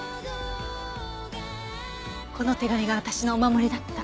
この手紙が私のお守りだった。